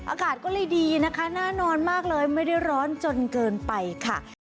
อากาศก็เลยดีนะคะน่านอนมากเลยไม่ได้ร้อนจนเกินไปค่ะ